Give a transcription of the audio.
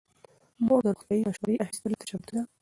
مور د روغتیايي مشورې اخیستلو ته چمتو ده.